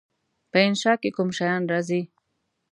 په انشأ کې کوم شیان راځي؟